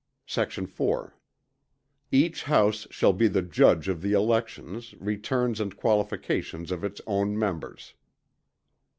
Sect. 4. Each House shall be the judge of the elections, returns and qualifications of its own members.